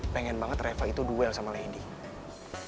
pengen banget reva itu duel sama lady